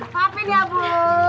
satu dua tiga